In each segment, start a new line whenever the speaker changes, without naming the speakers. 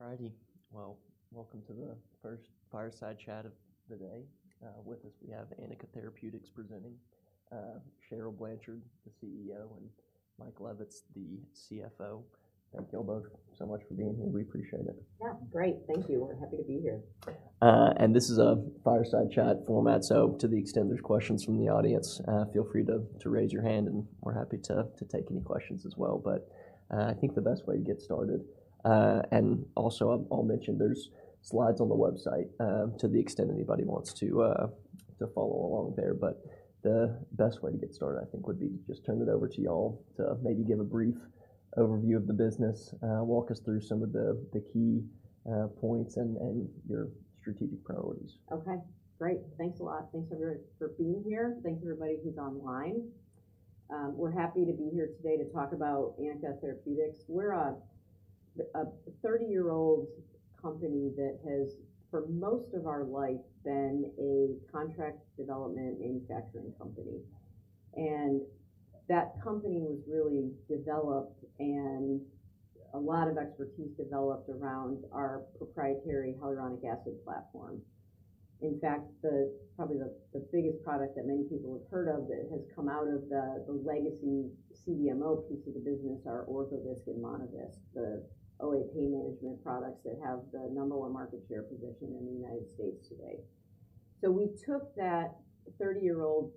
All righty. Well, welcome to the first Fireside Chat of the day. With us we have Anika Therapeutics presenting, Cheryl Blanchard, the CEO, and Mike Levitz, the CFO. Thank you both so much for being here. We appreciate it.
Yeah, great. Thank you. We're happy to be here.
This is a Fireside Chat format, so to the extent there's questions from the audience, feel free to raise your hand, and we're happy to take any questions as well. But I think the best way to get started, and also, I'll mention there's slides on the website, to the extent anybody wants to follow along there. But the best way to get started, I think, would be to just turn it over to y'all to maybe give a brief overview of the business. Walk us through some of the key points and your strategic priorities.
Okay, great. Thanks a lot. Thanks, everyone, for being here. Thank you, everybody who's online. We're happy to be here today to talk about Anika Therapeutics. We're a 30-year-old company that has, for most of our life, been a contract development manufacturing company, and that company was really developed and a lot of expertise developed around our proprietary hyaluronic acid platform. In fact, probably the biggest product that many people have heard of that has come out of the legacy CDMO piece of the business are Orthovisc and Monovisc, the OA pain management products that have the number one market share position in the United States today. So we took that 30-year-old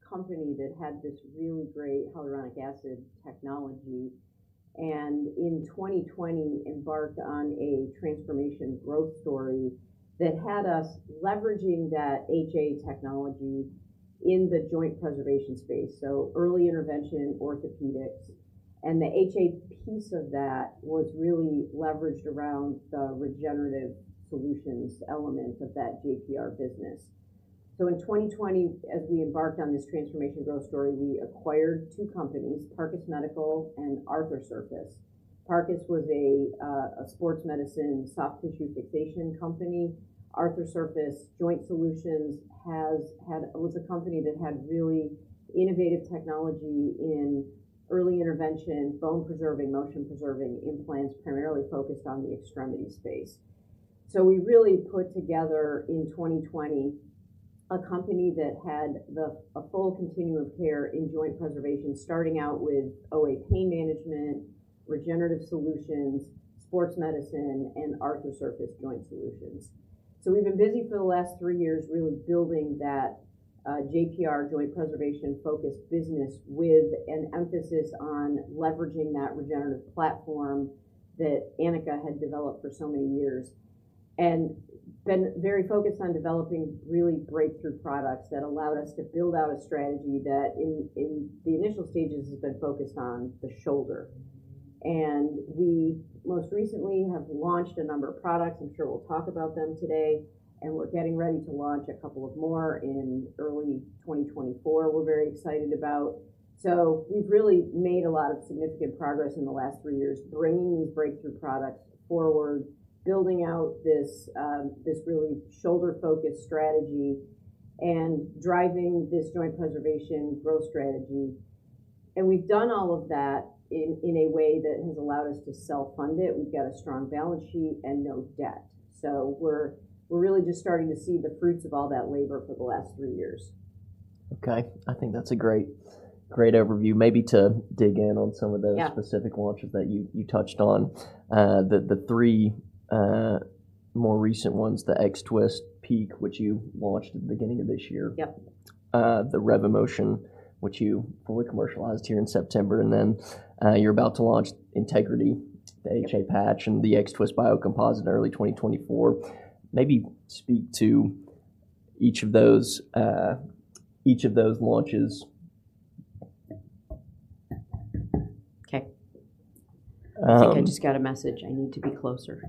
company that had this really great hyaluronic acid technology, and in 2020 embarked on a transformation growth story that had us leveraging that HA technology in the joint preservation space, so early intervention orthopedics. And the HA piece of that was really leveraged around the regenerative solutions element of that JPR business. So in 2020, as we embarked on this transformation growth story, we acquired two companies, Parcus Medical and Arthrosurface. Parcus was a, a sports medicine soft tissue fixation company. Arthrosurface Joint Solutions was a company that had really innovative technology in early intervention, bone-preserving, motion-preserving implants, primarily focused on the extremity space. So we really put together, in 2020, a company that had the, a full continuum of care in joint preservation, starting out with OA pain management, regenerative solutions, sports medicine, and Arthrosurface joint solutions. So we've been busy for the last three years, really building that JPR, joint preservation-focused business, with an emphasis on leveraging that regenerative platform that Anika had developed for so many years, and been very focused on developing really breakthrough products that allowed us to build out a strategy that in the initial stages has been focused on the shoulder. And we most recently have launched a number of products, I'm sure we'll talk about them today, and we're getting ready to launch a couple more in early 2024. We're very excited about it. So we've really made a lot of significant progress in the last three years, bringing these breakthrough products forward, building out this really shoulder-focused strategy and driving this joint preservation growth strategy. And we've done all of that in a way that has allowed us to self-fund it. We've got a strong balance sheet and no debt, so we're really just starting to see the fruits of all that labor for the last three years.
Okay, I think that's a great, great overview. Maybe to dig in on some of those-
Yeah...
specific launches that you touched on. The three more recent ones, the X-Twist PEEK, which you launched at the beginning of this year.
Yep.
the RevoMotion, which you fully commercialized here in September, and then, you're about to launch Integrity, the HA Patch, and the X-Twist Biocomposite in early 2024. Maybe speak to each of those, each of those launches.
Okay.
Um-
I think I just got a message. I need to be closer.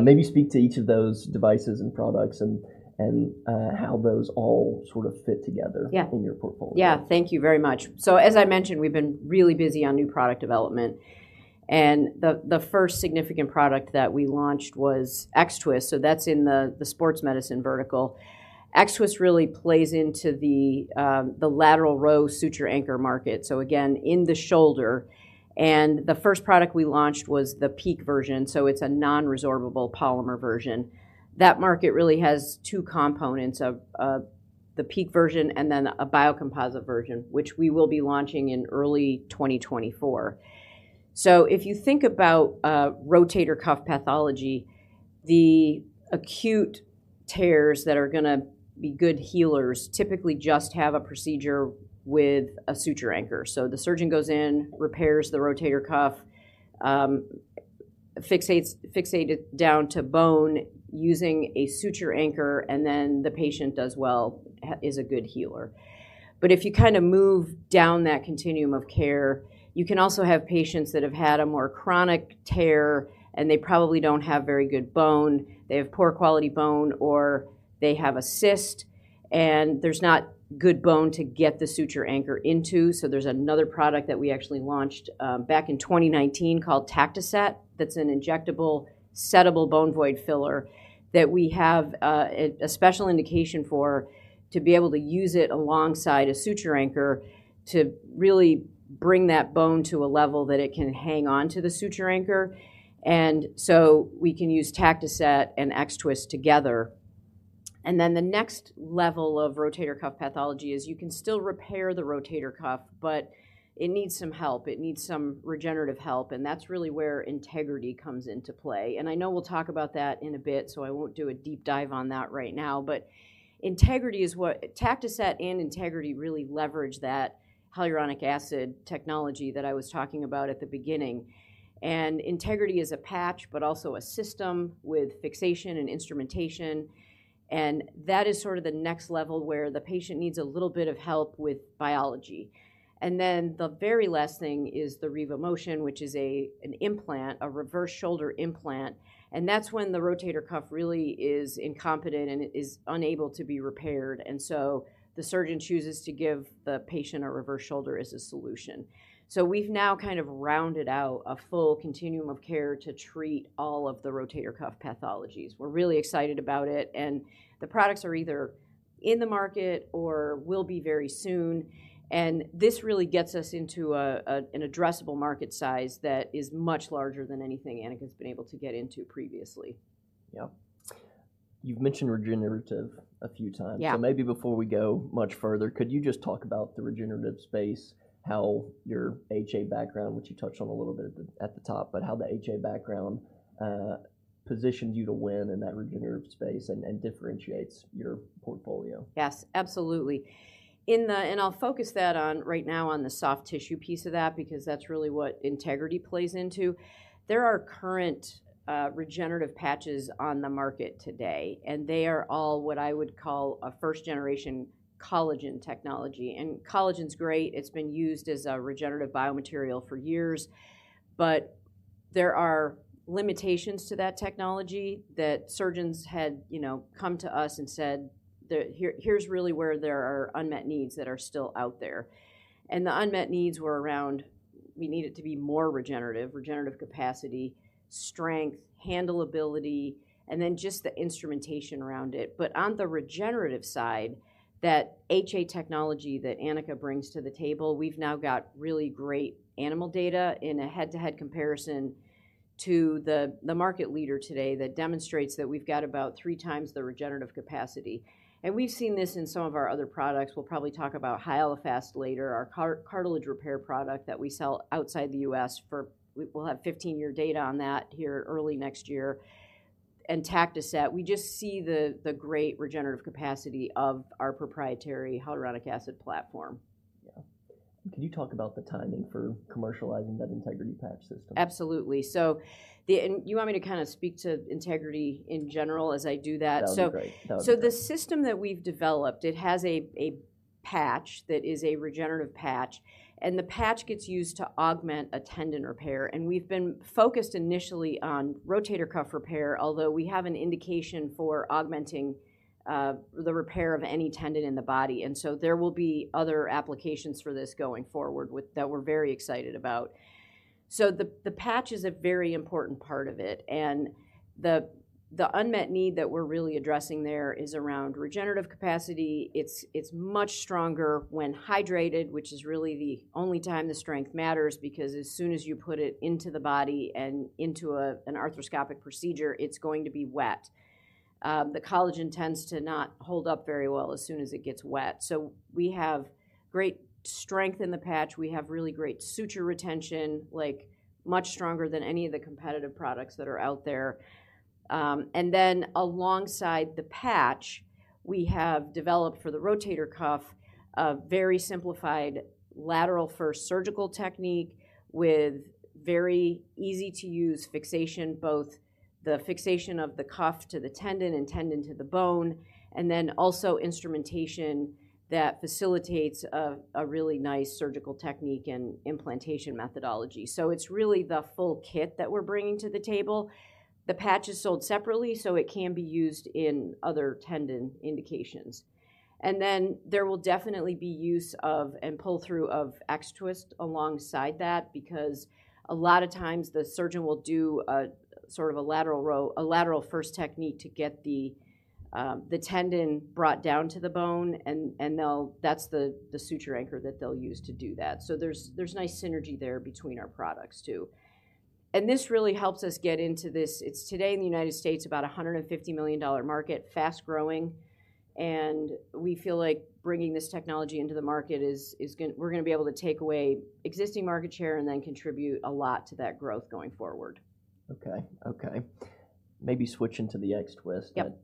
Maybe speak to each of those devices and products and, and, how those all sort of fit together-
Yeah
in your portfolio.
Yeah. Thank you very much. So, as I mentioned, we've been really busy on new product development, and the first significant product that we launched was X-Twist. So that's in the sports medicine vertical. X-Twist really plays into the lateral row suture anchor market, so again, in the shoulder. And the first product we launched was the PEEK version, so it's a non-resorbable polymer version. That market really has two components of the PEEK version and then a biocomposite version, which we will be launching in early 2024. So if you think about rotator cuff pathology, the acute tears that are gonna be good healers typically just have a procedure with a suture anchor. So the surgeon goes in, repairs the rotator cuff, fixates it down to bone using a suture anchor, and then the patient does well, is a good healer. But if you kind of move down that continuum of care, you can also have patients that have had a more chronic tear, and they probably don't have very good bone. They have poor quality bone, or they have a cyst, and there's not good bone to get the suture anchor into. So there's another product that we actually launched back in 2019 called Tactoset. That's an injectable settable bone void filler that we have a special indication for, to be able to use it alongside a suture anchor to really bring that bone to a level that it can hang on to the suture anchor. And so we can use Tactoset and X-Twist together-... And then the next level of rotator cuff pathology is you can still repair the rotator cuff, but it needs some help. It needs some regenerative help, and that's really where Integrity comes into play. And I know we'll talk about that in a bit, so I won't do a deep dive on that right now. But Integrity is what— Tactoset and Integrity really leverage that Hyaluronic Acid technology that I was talking about at the beginning. And Integrity is a patch, but also a system with fixation and instrumentation, and that is sort of the next level where the patient needs a little bit of help with biology. And then the very last thing is the RevoMotion, which is an implant, a reverse shoulder implant, and that's when the rotator cuff really is incompetent and it is unable to be repaired, and so the surgeon chooses to give the patient a reverse shoulder as a solution. So we've now kind of rounded out a full continuum of care to treat all of the rotator cuff pathologies. We're really excited about it, and the products are either in the market or will be very soon, and this really gets us into an addressable market size that is much larger than anything Anika's been able to get into previously.
Yeah. You've mentioned regenerative a few times.
Yeah.
Maybe before we go much further, could you just talk about the regenerative space, how your HA background, which you touched on a little bit at the top, but how the HA background positions you to win in that regenerative space and differentiates your portfolio?
Yes, absolutely. And I'll focus that on, right now, on the soft tissue piece of that, because that's really what Integrity plays into. There are current regenerative patches on the market today, and they are all what I would call a first-generation collagen technology. And collagen's great. It's been used as a regenerative biomaterial for years, but there are limitations to that technology that surgeons had, you know, come to us and said, "here's really where there are unmet needs that are still out there." And the unmet needs were around we need it to be more regenerative, regenerative capacity, strength, handleability, and then just the instrumentation around it. But on the regenerative side, that HA technology that Anika brings to the table, we've now got really great animal data in a head-to-head comparison to the market leader today that demonstrates that we've got about three times the regenerative capacity, and we've seen this in some of our other products. We'll probably talk about Hyalofast later, our cartilage repair product that we sell outside the U.S. We'll have 15-year data on that here early next year. And Tactoset, we just see the great regenerative capacity of our proprietary hyaluronic acid platform.
Yeah. Could you talk about the timing for commercializing that Integrity patch system?
Absolutely. So, and you want me to kind of speak to Integrity in general as I do that?
That would be great. That would be great.
So the system that we've developed, it has a patch that is a regenerative patch, and the patch gets used to augment a tendon repair. And we've been focused initially on rotator cuff repair, although we have an indication for augmenting the repair of any tendon in the body, and so there will be other applications for this going forward that we're very excited about. So the patch is a very important part of it, and the unmet need that we're really addressing there is around regenerative capacity. It's much stronger when hydrated, which is really the only time the strength matters, because as soon as you put it into the body and into an arthroscopic procedure, it's going to be wet. The collagen tends to not hold up very well as soon as it gets wet, so we have great strength in the patch. We have really great suture retention, like much stronger than any of the competitive products that are out there. And then alongside the patch, we have developed for the Rotator Cuff, a very simplified lateral first surgical technique with very easy-to-use fixation, both the fixation of the cuff to the tendon and tendon to the bone, and then also instrumentation that facilitates a really nice surgical technique and implantation methodology. So it's really the full kit that we're bringing to the table. The patch is sold separately, so it can be used in other tendon indications. And then there will definitely be use of and pull-through of X-Twist alongside that, because a lot of times the surgeon will do a sort of a lateral row - a lateral first technique to get the the tendon brought down to the bone, and they'll - that's the the suture anchor that they'll use to do that. So there's there's nice synergy there between our products, too. And this really helps us get into this. It's today in the United States, about $150 million market, fast growing, and we feel like bringing this technology into the market is we're gonna be able to take away existing market share and then contribute a lot to that growth going forward.
Okay. Okay. Maybe switching to the X-Twist-
Yep...
that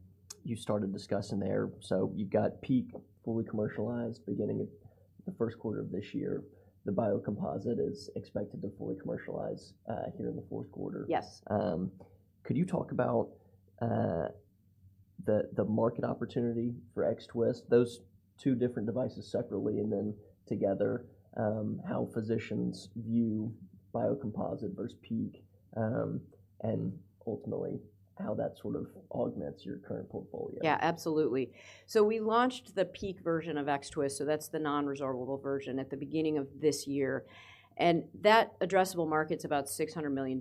you started discussing there. So you've got PEEK fully commercialized beginning of the first quarter of this year. The biocomposite is expected to fully commercialize here in the fourth quarter.
Yes.
Could you talk about the market opportunity for X-Twist, those two different devices separately and then together? How physicians view biocomposite versus PEEK, and ultimately, how that sort of augments your current portfolio?
Yeah, absolutely. So we launched the PEEK version of X-Twist, so that's the non-resorbable version, at the beginning of this year, and that addressable market's about $600+ million.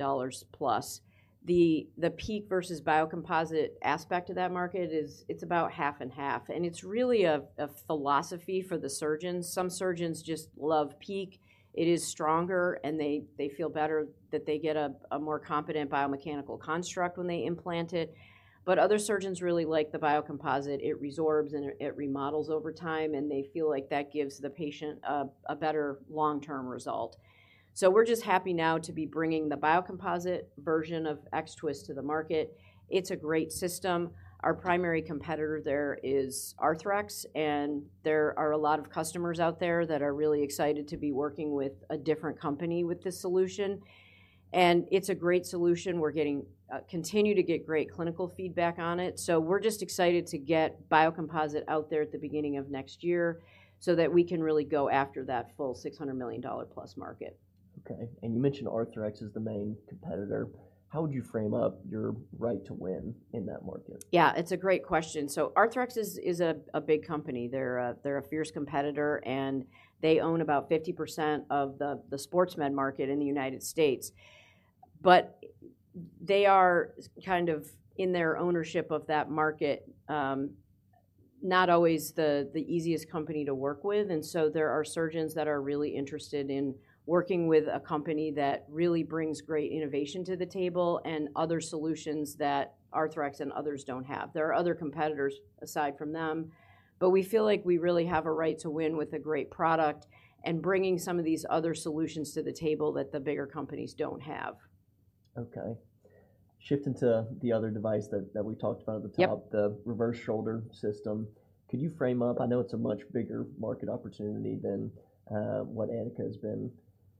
The, the PEEK versus biocomposite aspect of that market is, it's about 50/50, and it's really a, a philosophy for the surgeons. Some surgeons just love PEEK. It is stronger, and they, they feel better that they get a, a more competent biomechanical construct when they implant it. But other surgeons really like the biocomposite. It resorbs, and it, it remodels over time, and they feel like that gives the patient a, a better long-term result. So we're just happy now to be bringing the biocomposite version of X-Twist to the market. It's a great system. Our primary competitor there is Arthrex, and there are a lot of customers out there that are really excited to be working with a different company with this solution, and it's a great solution. We're getting continue to get great clinical feedback on it. So we're just excited to get biocomposite out there at the beginning of next year, so that we can really go after that full $600+ million market.
Okay, and you mentioned Arthrex as the main competitor. How would you frame up your right to win in that market?
Yeah, it's a great question. So Arthrex is a big company. They're a fierce competitor, and they own about 50% of the sports med market in the United States. But they are kind of, in their ownership of that market, not always the easiest company to work with, and so there are surgeons that are really interested in working with a company that really brings great innovation to the table and other solutions that Arthrex and others don't have. There are other competitors aside from them, but we feel like we really have a right to win with a great product and bringing some of these other solutions to the table that the bigger companies don't have.
Okay. Shifting to the other device that we talked about at the top-
Yep.
The reverse shoulder system, could you frame up... I know it's a much bigger market opportunity than what Anika has been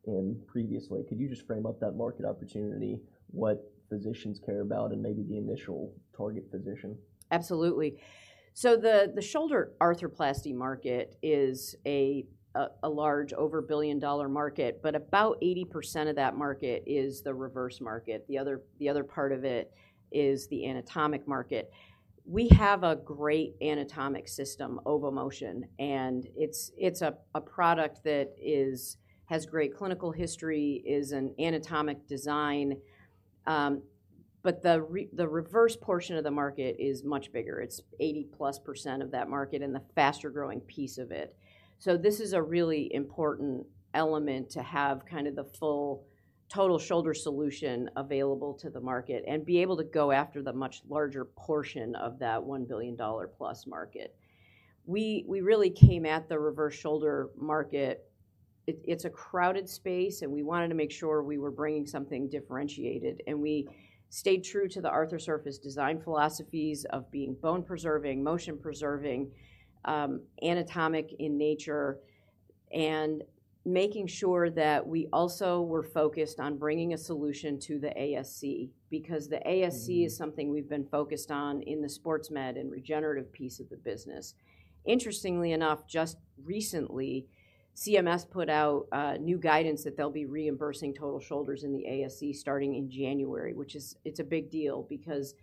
in previously. Could you just frame up that market opportunity, what physicians care about, and maybe the initial target position?
Absolutely. So the shoulder arthroplasty market is a large over-$1 billion market, but about 80% of that market is the reverse market. The other part of it is the anatomic market. We have a great anatomic system, OVOMotion, and it's a product that has great clinical history, is an anatomic design, but the reverse portion of the market is much bigger. It's 80%+ of that market and the faster-growing piece of it. So this is a really important element to have kind of the full total shoulder solution available to the market and be able to go after the much larger portion of that $1+ billion market. We really came at the reverse shoulder market. It's a crowded space, and we wanted to make sure we were bringing something differentiated, and we stayed true to the Arthrosurface design philosophies of being bone preserving, motion preserving, anatomic in nature, and making sure that we also were focused on bringing a solution to the ASC. Because the ASC-
Mm-hmm....
is something we've been focused on in the sports med and regenerative piece of the business. Interestingly enough, just recently, CMS put out new guidance that they'll be reimbursing total shoulders in the ASC starting in January, which is, it's a big deal because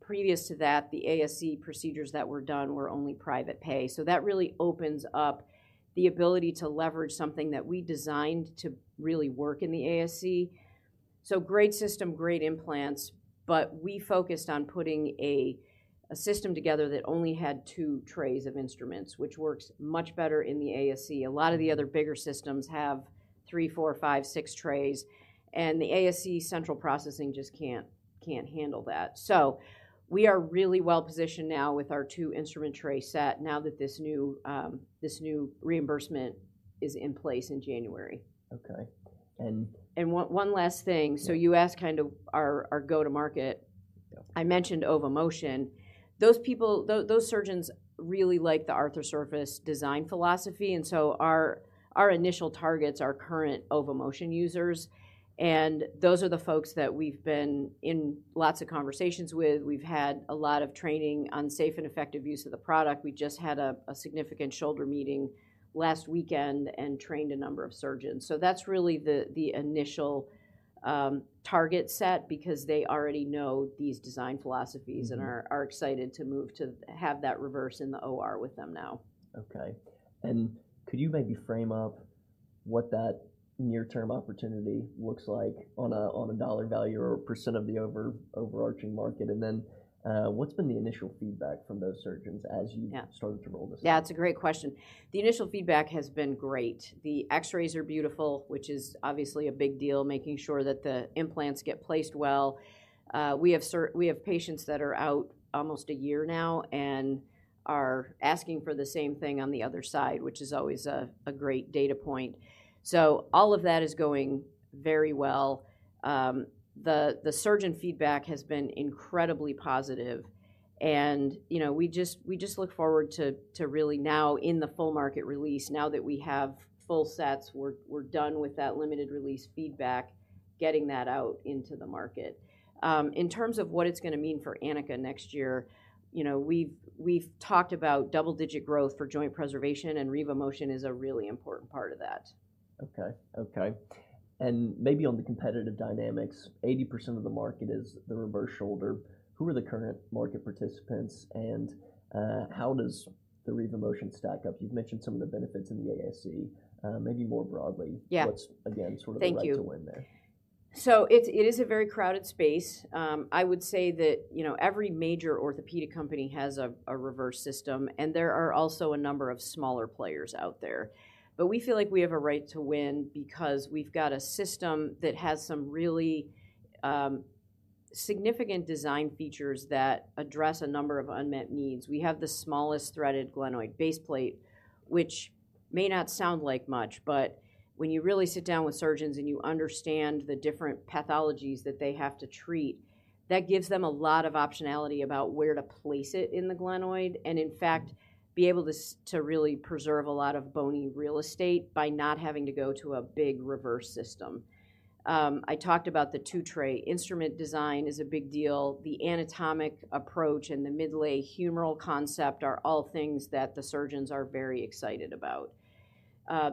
previous to that, the ASC procedures that were done were only private pay. So that really opens up the ability to leverage something that we designed to really work in the ASC. So great system, great implants, but we focused on putting a system together that only had two trays of instruments, which works much better in the ASC. A lot of the other bigger systems have three, four, five, six trays, and the ASC central processing just can't handle that. So we are really well-positioned now with our two-instrument tray set, now that this new, this new reimbursement is in place in January.
Okay, and-
One last thing.
Yeah.
You asked kind of our go-to-market.
Yeah.
I mentioned OVOMotion. Those people, those surgeons really like the Arthrosurface design philosophy, and so our initial targets are current OVOMotion users, and those are the folks that we've been in lots of conversations with. We've had a lot of training on safe and effective use of the product. We just had a significant shoulder meeting last weekend and trained a number of surgeons, so that's really the initial target set because they already know these design philosophies-
Mm-hmm...
and are excited to move to have that reverse in the OR with them now.
Okay, and could you maybe frame up what that near-term opportunity looks like on a dollar value or a percent of the overarching market? And then, what's been the initial feedback from those surgeons as you-
Yeah...
started to roll this out?
Yeah, it's a great question. The initial feedback has been great. The X-rays are beautiful, which is obviously a big deal, making sure that the implants get placed well. We have patients that are out almost a year now and are asking for the same thing on the other side, which is always a great data point. So all of that is going very well. The surgeon feedback has been incredibly positive, and, you know, we just look forward to really now in the full market release, now that we have full sets, we're done with that limited release feedback, getting that out into the market. In terms of what it's gonna mean for Anika next year, you know, we've talked about double-digit growth for joint preservation, and RevoMotion is a really important part of that.
Okay, okay.... and maybe on the competitive dynamics, 80% of the market is the reverse shoulder. Who are the current market participants, and how does the RevoMotion stack up? You've mentioned some of the benefits in the ASC, maybe more broadly-
Yeah.
What's again sort of the right to win there?
Thank you. So it's, it is a very crowded space. I would say that, you know, every major orthopedic company has a reverse system, and there are also a number of smaller players out there. But we feel like we have a right to win because we've got a system that has some really, significant design features that address a number of unmet needs. We have the smallest threaded glenoid base plate, which may not sound like much, but when you really sit down with surgeons and you understand the different pathologies that they have to treat, that gives them a lot of optionality about where to place it in the glenoid, and in fact, be able to really preserve a lot of bony real estate by not having to go to a big reverse system. I talked about the two-tray instrument design is a big deal. The anatomic approach and the inlay humeral concept are all things that the surgeons are very excited about.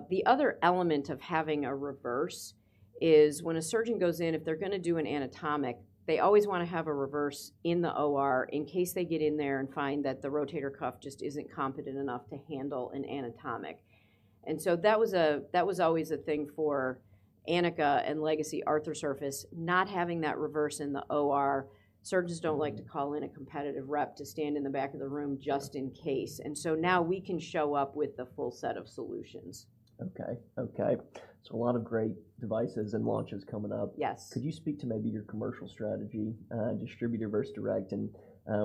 The other element of having a reverse is when a surgeon goes in, if they're gonna do an anatomic, they always wanna have a reverse in the OR in case they get in there and find that the rotator cuff just isn't competent enough to handle an anatomic. And so that was a... that was always a thing for Anika and Legacy Arthrosurface, not having that reverse in the OR. Surgeons don't like to call in a competitive rep to stand in the back of the room just in case, and so now we can show up with the full set of solutions.
Okay. Okay, so a lot of great devices and launches coming up.
Yes.
Could you speak to maybe your commercial strategy, distributor versus direct?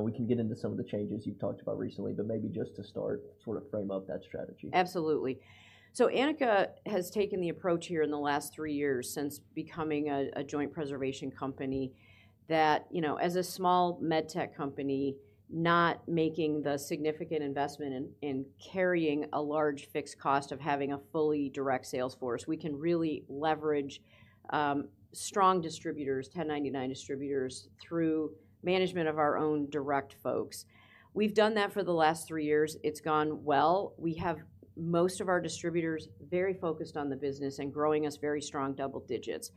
We can get into some of the changes you've talked about recently, but maybe just to start, sort of frame up that strategy.
Absolutely. So Anika has taken the approach here in the last three years since becoming a joint preservation company, that, you know, as a small med tech company, not making the significant investment in carrying a large fixed cost of having a fully direct sales force, we can really leverage strong distributors, 1099 distributors, through management of our own direct folks. We've done that for the last three years. It's gone well. We have most of our distributors very focused on the business and growing us very strong double digits.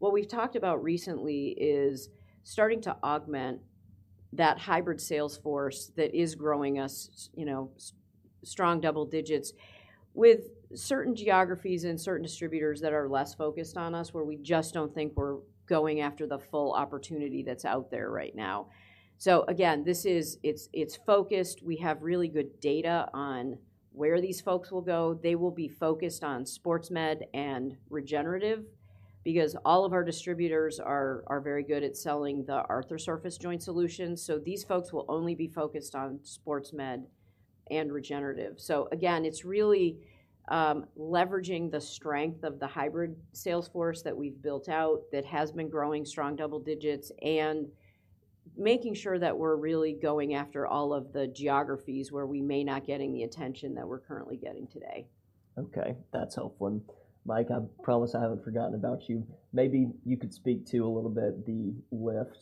What we've talked about recently is starting to augment that hybrid sales force that is growing us, you know, strong double digits with certain geographies and certain distributors that are less focused on us, where we just don't think we're going after the full opportunity that's out there right now. So again, this is. It's focused. We have really good data on where these folks will go. They will be focused on sports med and regenerative because all of our distributors are very good at selling the Arthrosurface joint solutions, so these folks will only be focused on sports med and regenerative. So again, it's really leveraging the strength of the hybrid sales force that we've built out that has been growing strong double digits and making sure that we're really going after all of the geographies where we may not getting the attention that we're currently getting today.
Okay, that's helpful. And Mike, I promise I haven't forgotten about you. Maybe you could speak to, a little bit, the lift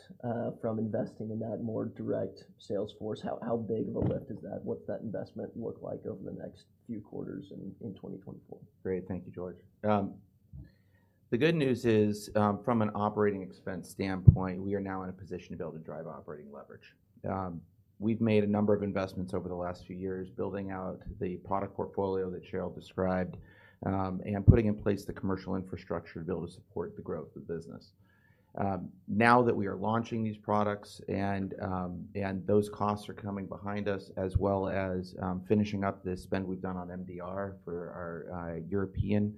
from investing in that more direct sales force. How big of a lift is that? What's that investment look like over the next few quarters in 2024?
Great. Thank you, George. The good news is, from an operating expense standpoint, we are now in a position to be able to drive operating leverage. We've made a number of investments over the last few years, building out the product portfolio that Cheryl described, and putting in place the commercial infrastructure to be able to support the growth of the business. Now that we are launching these products and, and those costs are coming behind us, as well as, finishing up the spend we've done on MDR for our, European,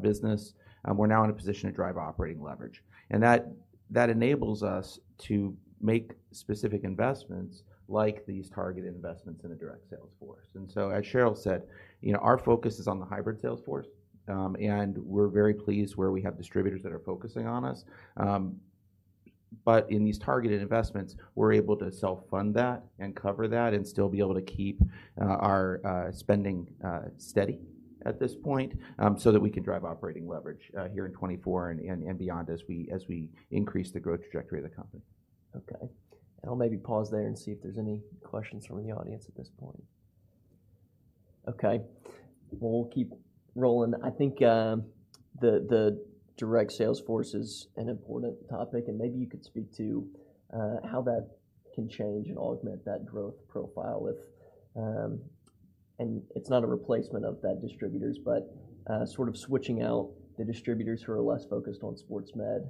business, we're now in a position to drive operating leverage, and that, that enables us to make specific investments like these targeted investments in a direct sales force. And so, as Cheryl said, you know, our focus is on the hybrid sales force, and we're very pleased where we have distributors that are focusing on us. But in these targeted investments, we're able to self-fund that and cover that and still be able to keep our spending steady at this point, so that we can drive operating leverage here in 2024 and beyond as we increase the growth trajectory of the company.
Okay. And I'll maybe pause there and see if there's any questions from the audience at this point. Okay, well, we'll keep rolling. I think the direct sales force is an important topic, and maybe you could speak to how that can change and augment that growth profile with... And it's not a replacement of that distributors, but sort of switching out the distributors who are less focused on sports med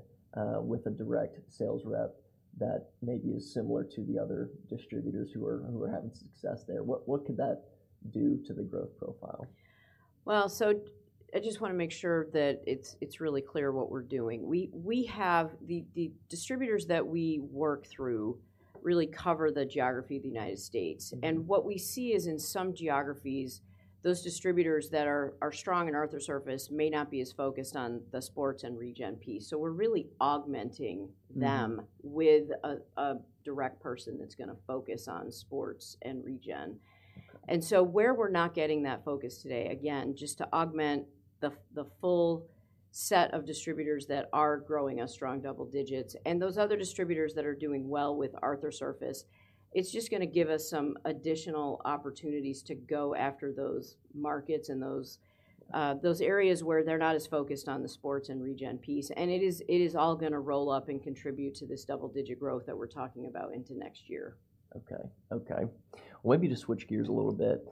with a direct sales rep that maybe is similar to the other distributors who are having success there. What could that do to the growth profile?...
Well, so I just wanna make sure that it's really clear what we're doing. We have the distributors that we work through really cover the geography of the United States. And what we see is, in some geographies, those distributors that are strong in Arthrosurface may not be as focused on the sports and regen piece, so we're really augmenting them-
Mm.
with a direct person that's gonna focus on sports and regen. And so where we're not getting that focus today, again, just to augment the full set of distributors that are growing us strong double digits, and those other distributors that are doing well with Arthrosurface, it's just gonna give us some additional opportunities to go after those markets and those areas where they're not as focused on the sports and regen piece. And it is all gonna roll up and contribute to this double-digit growth that we're talking about into next year.
Okay, okay. Well, let me just switch gears a little bit.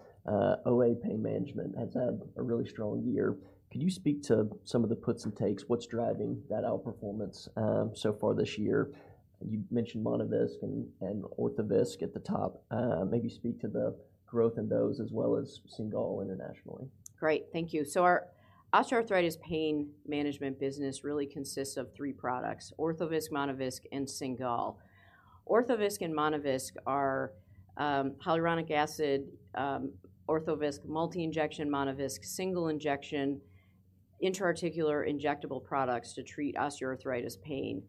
OA Pain Management has had a really strong year. Could you speak to some of the puts and takes? What's driving that outperformance, so far this year? You mentioned Monovisc and Orthovisc at the top. Maybe speak to the growth in those as well as Cingal internationally.
Great. Thank you. So our osteoarthritis pain management business really consists of three products, Orthovisc, Monovisc, and Cingal. Orthovisc and Monovisc are hyaluronic acid, Orthovisc, multi-injection Monovisc, single injection, intra-articular injectable products to treat osteoarthritis pain,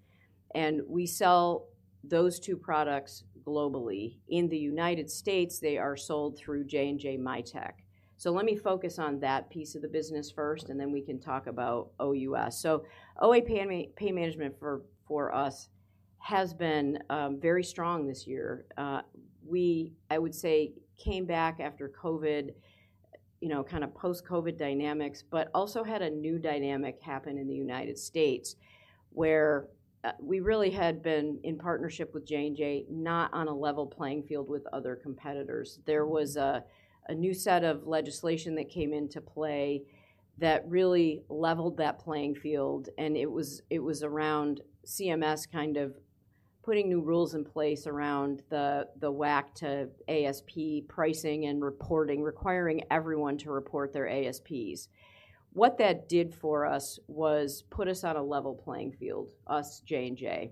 and we sell those two products globally. In the United States, they are sold through J&J Mitek. So let me focus on that piece of the business first, and then we can talk about OUS. So OA Pain Management for us has been very strong this year. We, I would say, came back after COVID, you know, kind of post-COVID dynamics, but also had a new dynamic happen in the United States, where we really had been in partnership with J&J, not on a level playing field with other competitors. There was a new set of legislation that came into play that really leveled that playing field, and it was around CMS kind of putting new rules in place around the WAC to ASP pricing and reporting, requiring everyone to report their ASPs. What that did for us was put us on a level playing field, us, J&J,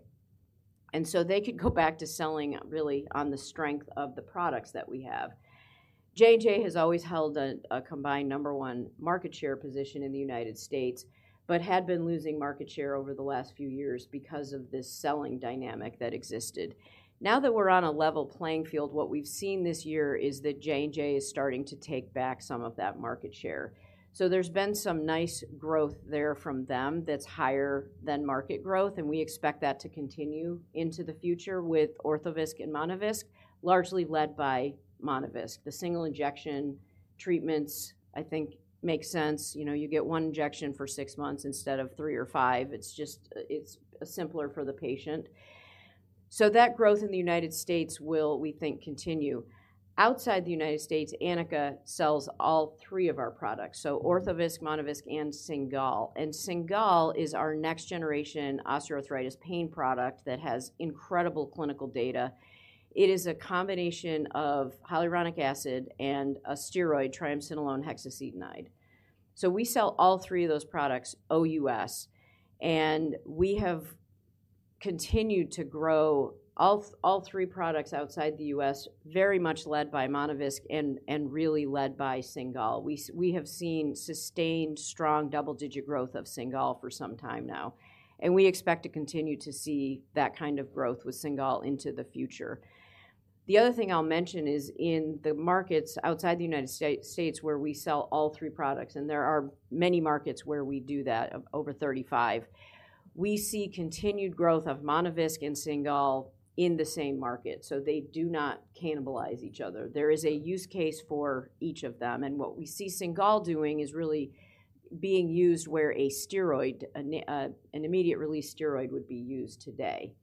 and so they could go back to selling really on the strength of the products that we have. J&J has always held a combined number-one market share position in the United States, but had been losing market share over the last few years because of this selling dynamic that existed. Now that we're on a level playing field, what we've seen this year is that J&J is starting to take back some of that market share. So there's been some nice growth there from them that's higher than market growth, and we expect that to continue into the future with Orthovisc and Monovisc, largely led by Monovisc. The single injection treatments, I think, make sense. You know, you get one injection for six months instead of three or five. It's just, it's simpler for the patient. So that growth in the United States will, we think, continue. Outside the United States, Anika sells all three of our products, so Orthovisc, Monovisc, and Cingal, and Cingal is our next-generation osteoarthritis pain product that has incredible clinical data. It is a combination of hyaluronic acid and a steroid, triamcinolone hexacetonide. So we sell all three of those products, OUS, and we have continued to grow all three products outside the U.S., very much led by Monovisc and really led by Cingal. We have seen sustained strong double-digit growth of Cingal for some time now, and we expect to continue to see that kind of growth with Cingal into the future. The other thing I'll mention is in the markets outside the United States, where we sell all three products, and there are many markets where we do that, over 35, we see continued growth of Monovisc and Cingal in the same market, so they do not cannibalize each other. There is a use case for each of them, and what we see Cingal doing is really being used where a steroid, an immediate-release steroid would be used today.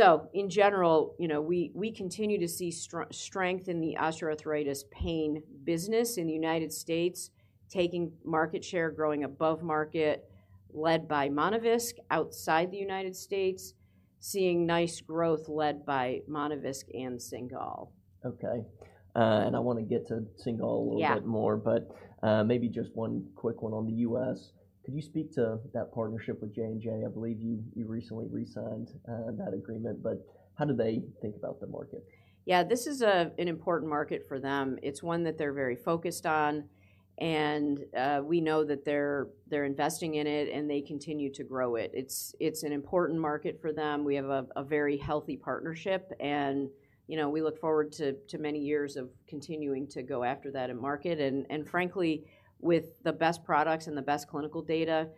Okay.
In general, you know, we continue to see strength in the osteoarthritis pain business in the United States, taking market share, growing above market, led by Monovisc outside the United States, seeing nice growth led by Monovisc and Cingal.
Okay, and I wanna get to Cingal-
Yeah...
a little bit more, but, maybe just one quick one on the U.S. Could you speak to that partnership with J&J? I believe you recently re-signed that agreement, but how do they think about the market?
Yeah, this is an important market for them. It's one that they're very focused on, and we know that they're investing in it, and they continue to grow it. It's an important market for them. We have a very healthy partnership, and, you know, we look forward to many years of continuing to go after that end market and frankly, with the best products and the best clinical data,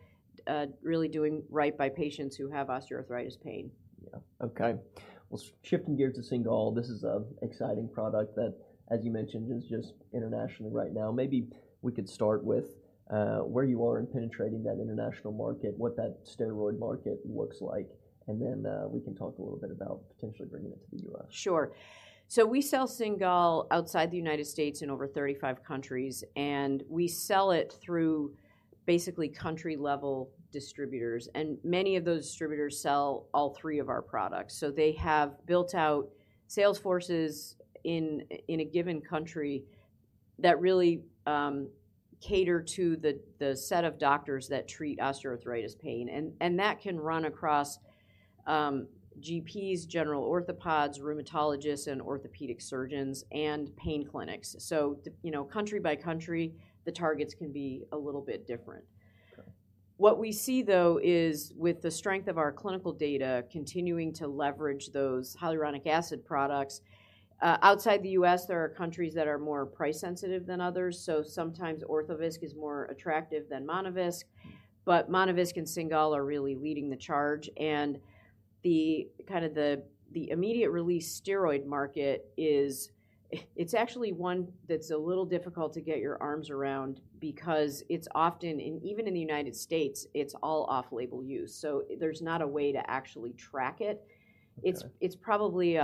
really doing right by patients who have osteoarthritis pain.
Yeah, okay. Well, shifting gears to Cingal, this is an exciting product that, as you mentioned, is just internationally right now. Maybe we could start with where you are in penetrating that international market, what that steroid market looks like, and then we can talk a little bit about potentially bringing it to the U.S.
Sure. So we sell Cingal outside the United States in over 35 countries, and we sell it through basically country-level distributors, and many of those distributors sell all three of our products. So they have built out sales forces in a given country that really cater to the set of doctors that treat osteoarthritis pain, and that can run across GPs, general orthopods, rheumatologists, and orthopedic surgeons, and pain clinics. So you know, country by country, the targets can be a little bit different.
Okay.
What we see, though, is with the strength of our clinical data continuing to leverage those hyaluronic acid products outside the U.S., there are countries that are more price-sensitive than others, so sometimes Orthovisc is more attractive than Monovisc, but Monovisc and Cingal are really leading the charge. And the immediate-release steroid market is, it's actually one that's a little difficult to get your arms around because it's often, and even in the United States, it's all off-label use, so there's not a way to actually track it.
Okay.
It's probably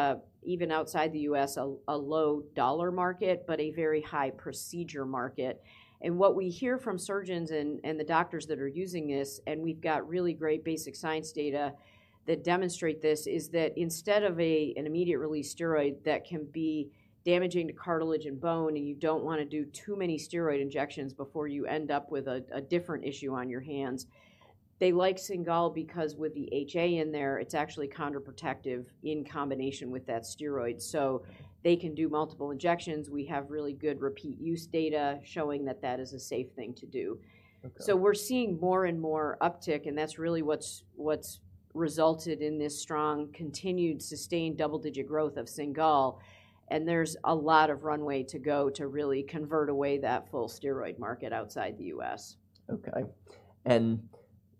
even outside the U.S., a low-dollar market, but a very high procedure market. What we hear from surgeons and the doctors that are using this, and we've got really great basic science data that demonstrate this, is that instead of an immediate-release steroid that can be damaging to cartilage and bone, and you don't wanna do too many steroid injections before you end up with a different issue on your hands, they like Cingal because with the HA in there, it's actually counter-protective in combination with that steroid, so they can do multiple injections. We have really good repeat-use data showing that that is a safe thing to do.
Okay.
So we're seeing more and more uptick, and that's really what's resulted in this strong, continued, sustained double-digit growth of Cingal, and there's a lot of runway to go to really convert away that full steroid market outside the U.S.
Okay. And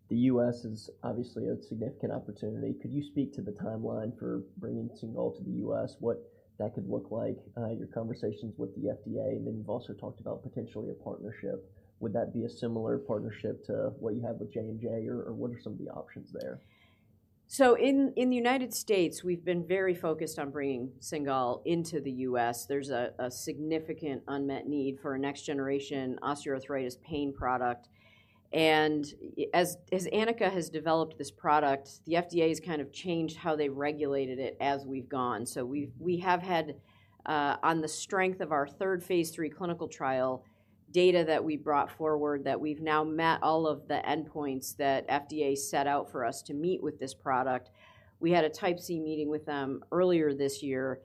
the U.S. is obviously a significant opportunity. Could you speak to the timeline for bringing Cingal to the U.S., what that could look like, your conversations with the FDA, and then you've also talked about potentially a partnership. Would that be a similar partnership to what you have with J&J, or, or what are some of the options there?
So in the United States, we've been very focused on bringing Cingal into the U.S. There's a significant unmet need for a next-generation osteoarthritis pain product. And as Anika has developed this product, the FDA has kind of changed how they regulated it as we've gone. So we have had on the strength of our third phase III clinical trial data that we brought forward that we've now met all of the endpoints that FDA set out for us to meet with this product. We had a Type C meeting with them earlier this year,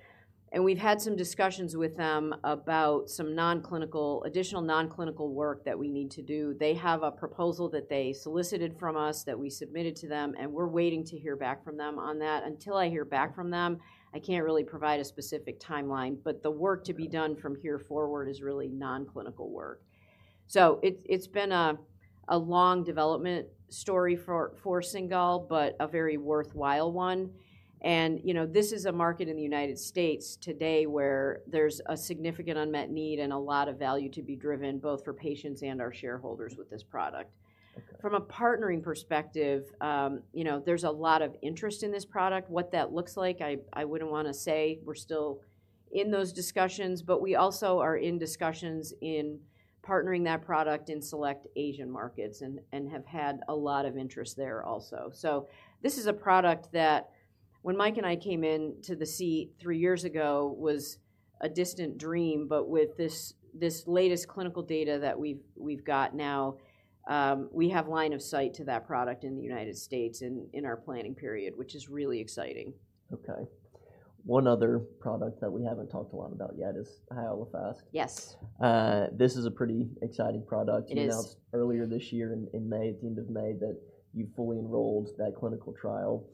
and we've had some discussions with them about some non-clinical, additional non-clinical work that we need to do. They have a proposal that they solicited from us, that we submitted to them, and we're waiting to hear back from them on that. Until I hear back from them, I can't really provide a specific timeline, but the work to be done from here forward is really non-clinical work. So it's been a long development story for Cingal, but a very worthwhile one. And, you know, this is a market in the United States today where there's a significant unmet need and a lot of value to be driven, both for patients and our shareholders with this product.
Okay.
From a partnering perspective, you know, there's a lot of interest in this product. What that looks like, I, I wouldn't wanna say. We're still in those discussions, but we also are in discussions in partnering that product in select Asian markets and, and have had a lot of interest there also. So this is a product that, when Mike and I came in to the seat three years ago, was a distant dream, but with this, this latest clinical data that we've, we've got now, we have line of sight to that product in the United States in, in our planning period, which is really exciting.
Okay. One other product that we haven't talked a lot about yet is Hyalofast.
Yes.
This is a pretty exciting product.
It is.
You announced earlier this year in May, at the end of May, that you fully enrolled that clinical trial.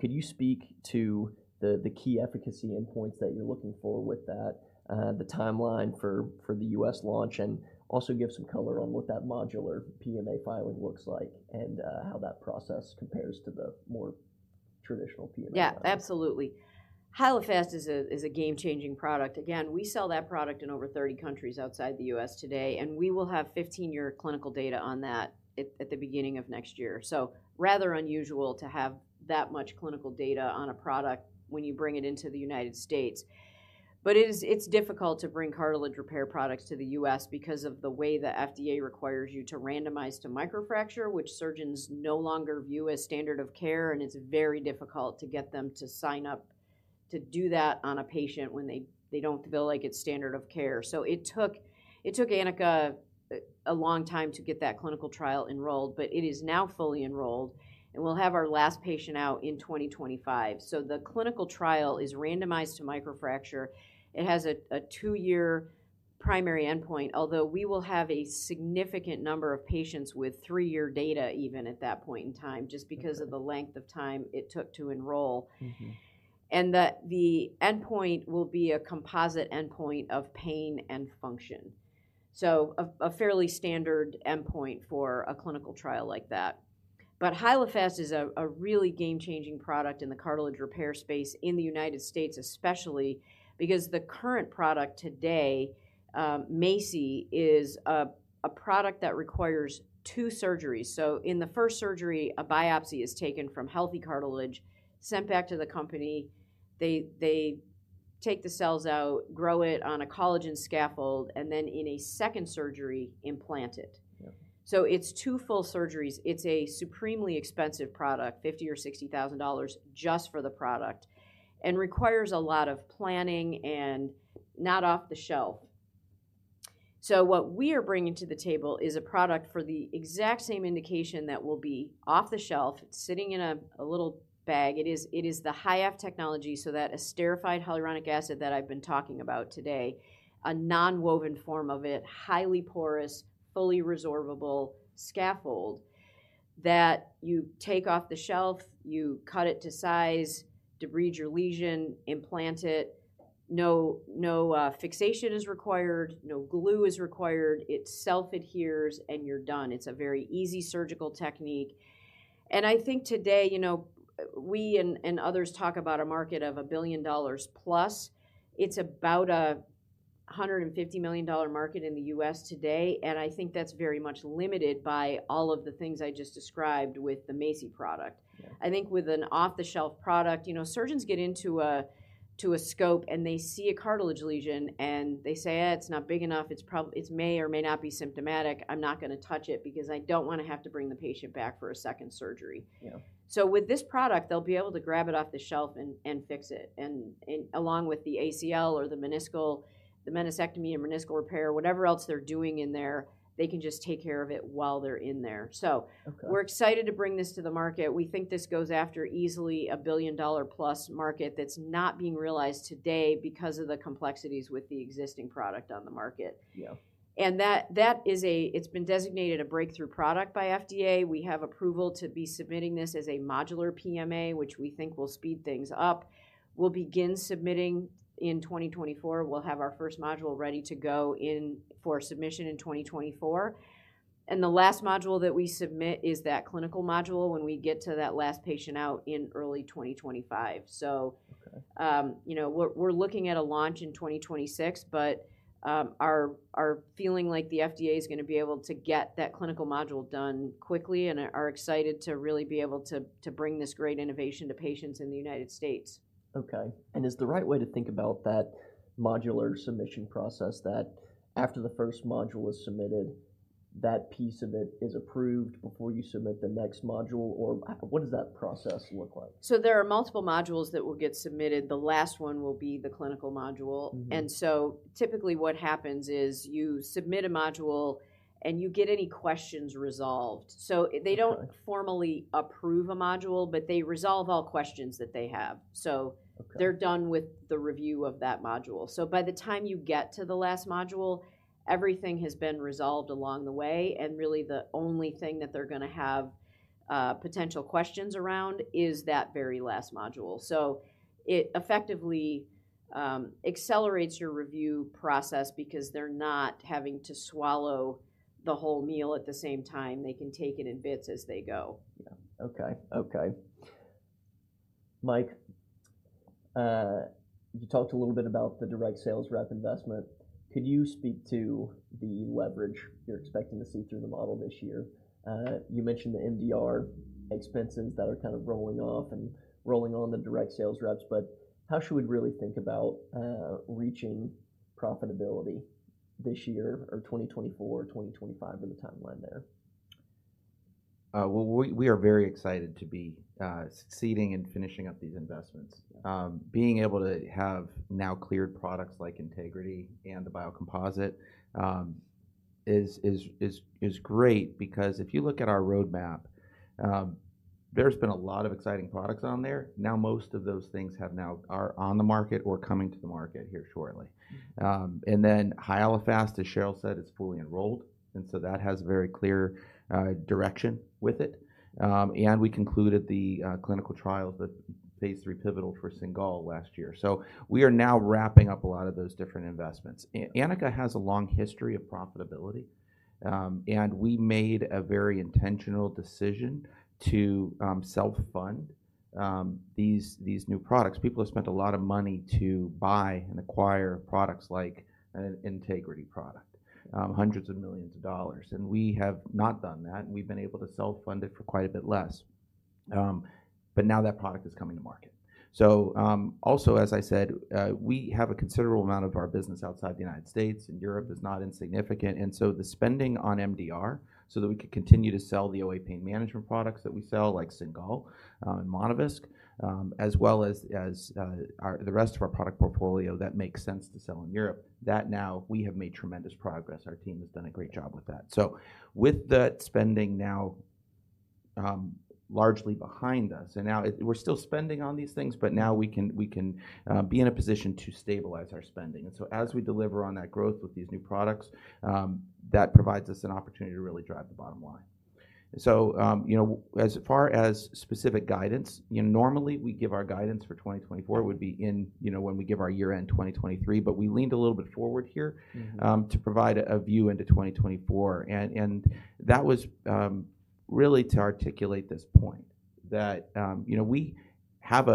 Could you speak to the key efficacy endpoints that you're looking for with that, the timeline for the U.S. launch, and also give some color on what that modular PMA filing looks like and how that process compares to the more traditional PMA filing?
Yeah, absolutely. Hyalofast is a game-changing product. Again, we sell that product in over 30 countries outside the U.S. today, and we will have 15-year clinical data on that at the beginning of next year. So rather unusual to have that much clinical data on a product when you bring it into the United States. But it is, it's difficult to bring cartilage repair products to the U.S. because of the way the FDA requires you to randomize to Microfracture, which surgeons no longer view as standard of care, and it's very difficult to get them to sign up to do that on a patient when they don't feel like it's standard of care. So it took Anika a long time to get that clinical trial enrolled, but it is now fully enrolled, and we'll have our last patient out in 2025. So the clinical trial is randomized to microfracture. It has a 2-year primary endpoint, although we will have a significant number of patients with 3-year data even at that point in time-
Okay...
just because of the length of time it took to enroll.
Mm-hmm.
That the endpoint will be a composite endpoint of pain and function, so a fairly standard endpoint for a clinical trial like that. But Hyalofast is a really game-changing product in the cartilage repair space in the United States, especially because the current product today, MACI, is a product that requires two surgeries. So in the first surgery, a biopsy is taken from healthy cartilage, sent back to the company. They take the cells out, grow it on a collagen scaffold, and then in a second surgery, implant it.
Yeah.
So it's two full surgeries. It's a supremely expensive product, $50,000-$60,000 just for the product, and requires a lot of planning and not off the shelf. So what we are bringing to the table is a product for the exact same indication that will be off the shelf, sitting in a little bag. It is the HYAF technology, so that esterified hyaluronic acid that I've been talking about today, a nonwoven form of it, highly porous, fully resorbable scaffold that you take off the shelf, you cut it to size, debride your lesion, implant it. No, no, fixation is required, no glue is required. It self-adheres, and you're done. It's a very easy surgical technique, and I think today, you know, we and others talk about a market of $1+ billion. It's about a $150 million market in the U.S. today, and I think that's very much limited by all of the things I just described with the MACI product.
Yeah.
I think with an off-the-shelf product, you know, surgeons get into a, to a scope, and they say, "Eh, it's not big enough. It may or may not be symptomatic. I'm not gonna touch it because I don't wanna have to bring the patient back for a second surgery.
Yeah.
So with this product, they'll be able to grab it off the shelf and fix it, and along with the ACL or the meniscal, the meniscectomy and meniscal repair, whatever else they're doing in there, they can just take care of it while they're in there. So-
Okay.
We're excited to bring this to the market. We think this goes after easily a $1+ billion market that's not being realized today because of the complexities with the existing product on the market.
Yeah.
That is a—it's been designated a breakthrough product by the FDA. We have approval to be submitting this as a modular PMA, which we think will speed things up. We'll begin submitting in 2024. We'll have our first module ready to go in for submission in 2024, and the last module that we submit is that clinical module when we get to that last patient out in early 2025. So-
Okay.
You know, we're looking at a launch in 2026, but are feeling like the FDA is gonna be able to get that clinical module done quickly and are excited to really be able to bring this great innovation to patients in the United States.
Okay, and is the right way to think about that modular submission process, that after the first module is submitted, that piece of it is approved before you submit the next module, or what does that process look like?
There are multiple modules that will get submitted. The last one will be the clinical module.
Mm-hmm.
Typically what happens is, you submit a module, and you get any questions resolved.
Okay.
They don't formally approve a module, but they resolve all questions that they have.
Okay.
So they're done with the review of that module. So by the time you get to the last module, everything has been resolved along the way, and really, the only thing that they're gonna have potential questions around is that very last module. So it effectively accelerates your review process because they're not having to swallow the whole meal at the same time. They can take it in bits as they go.
Yeah, okay, okay. Mike, you talked a little bit about the direct sales rep investment. Could you speak to the leverage you're expecting to see through the model this year? You mentioned the MDR expenses that are kind of rolling off and rolling on the direct sales reps, but how should we really think about reaching profitability this year or 2024, 2025, or the timeline there?
Well, we are very excited to be succeeding in finishing up these investments. Being able to have now cleared products like Integrity and the Biocomposite is great because if you look at our roadmap, there's been a lot of exciting products on there. Now, most of those things are on the market or coming to the market here shortly. And then Hyalofast, as Cheryl said, is fully enrolled, and so that has very clear direction with it. And we concluded the clinical trials, the phase III pivotal for Cingal last year. So we are now wrapping up a lot of those different investments. Anika has a long history of profitability, and we made a very intentional decision to self-fund these new products. People have spent a lot of money to buy and acquire products like an Integrity product, $100 million, and we have not done that, and we've been able to self-fund it for quite a bit less. But now that product is coming to market. So, also, as I said, we have a considerable amount of our business outside the United States, and Europe is not insignificant, and so the spending on MDR, so that we can continue to sell the OA pain management products that we sell, like Cingal and Monovisc, as well as the rest of our product portfolio that makes sense to sell in Europe; now we have made tremendous progress. Our team has done a great job with that. So with that spending now largely behind us, and now we're still spending on these things, but now we can, we can, be in a position to stabilize our spending, and so as we deliver on that growth with these new products, that provides us an opportunity to really drive the bottom line. So, you know, as far as specific guidance, you know, normally we give our guidance for 2024-
Yeah.
- would be in, you know, when we give our year-end 2023, but we leaned a little bit forward here-
Mm-hmm...
to provide a view into 2024, and that was really to articulate this point, that you know, we have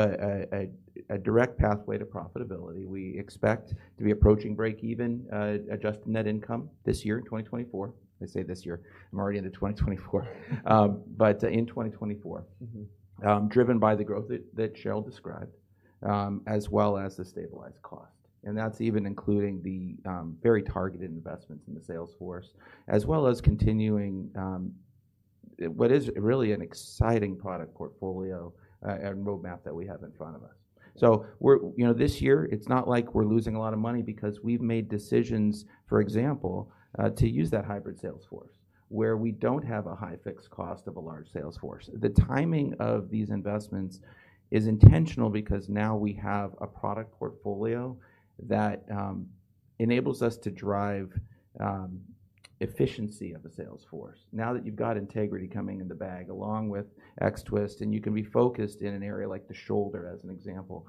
a direct pathway to profitability. We expect to be approaching break-even, adjusted net income this year, in 2024. I say this year, I'm already into 2024. But in 2024-
Mm-hmm...
driven by the growth that Cheryl described... as well as the stabilized cost. And that's even including the very targeted investments in the sales force, as well as continuing what is really an exciting product portfolio and roadmap that we have in front of us. So we're. You know, this year, it's not like we're losing a lot of money because we've made decisions, for example, to use that hybrid sales force, where we don't have a high fixed cost of a large sales force. The timing of these investments is intentional because now we have a product portfolio that enables us to drive efficiency of a sales force. Now that you've got Integrity coming in the bag, along with X-Twist, and you can be focused in an area like the shoulder, as an example,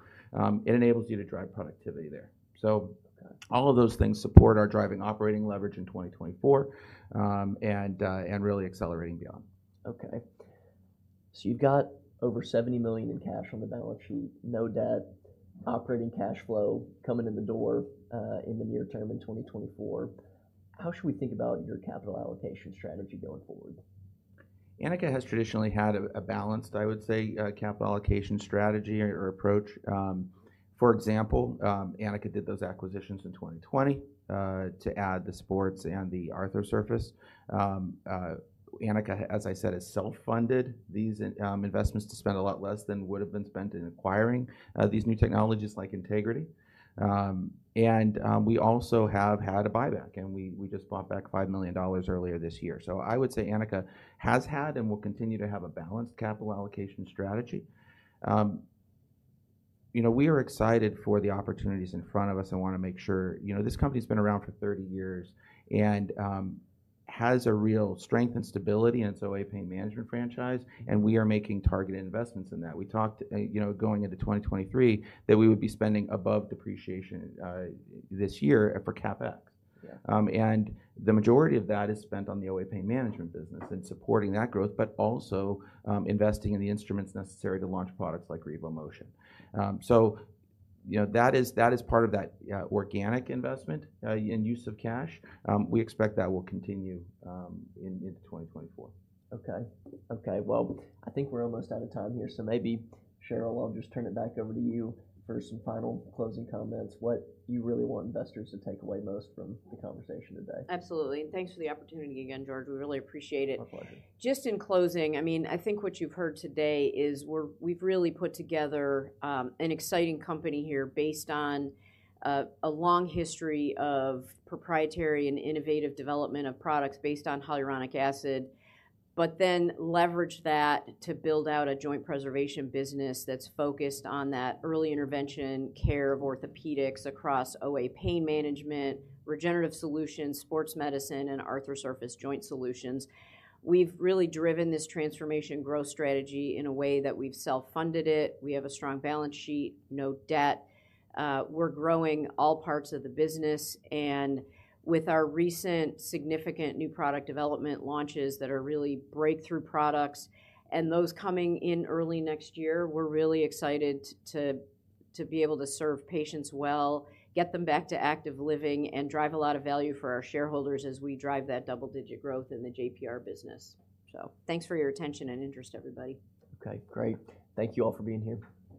it enables you to drive productivity there. So all of those things support our driving operating leverage in 2024, and really accelerating beyond.
Okay. So you've got over $70 million in cash on the balance sheet, no debt, operating cash flow coming in the door, in the near term in 2024. How should we think about your capital allocation strategy going forward?
Anika has traditionally had a balanced, I would say, capital allocation strategy or approach. For example, Anika did those acquisitions in 2020 to add the sports and Arthrosurface. Anika, as I said, has self-funded these investments to spend a lot less than would have been spent in acquiring these new technologies like Integrity. And we also have had a buyback, and we just bought back $5 million earlier this year. So I would say Anika has had and will continue to have a balanced capital allocation strategy. You know, we are excited for the opportunities in front of us and want to make sure. You know, this company's been around for 30 years and has a real strength and stability in its OA pain management franchise, and we are making targeted investments in that. We talked, you know, going into 2023, that we would be spending above depreciation, this year for CapEx.
Yeah.
And the majority of that is spent on the OA pain management business and supporting that growth, but also, investing in the instruments necessary to launch products like RevoMotion. So you know, that is, that is part of that, organic investment, and use of cash. We expect that will continue, into 2024.
Okay. Okay, well, I think we're almost out of time here, so maybe, Cheryl, I'll just turn it back over to you for some final closing comments. What you really want investors to take away most from the conversation today?
Absolutely. Thanks for the opportunity again, George. We really appreciate it.
My pleasure.
Just in closing, I mean, I think what you've heard today is we've really put together an exciting company here based on a long history of proprietary and innovative development of products based on hyaluronic acid, but then leveraged that to build out a joint preservation business that's focused on that early intervention care of orthopedics across OA pain management, regenerative solutions, sports medicine, and Arthrosurface joint solutions. We've really driven this transformation growth strategy in a way that we've self-funded it. We have a strong balance sheet, no debt. We're growing all parts of the business, and with our recent significant new product development launches that are really breakthrough products and those coming in early next year, we're really excited to be able to serve patients well, get them back to active living, and drive a lot of value for our shareholders as we drive that double-digit growth in the JPR business. So thanks for your attention and interest, everybody.
Okay, great. Thank you all for being here.